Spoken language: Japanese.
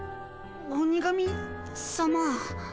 鬼神さま。